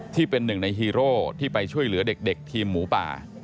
ที่เป็นหนึ่งในฮีโร่ที่ไปช่วยเหลือเด็กทีมหมูป่า